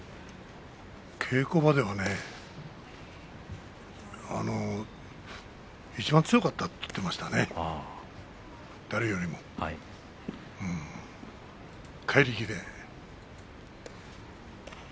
稽古場ではいちばん強かったと言っていました誰よりも怪力で。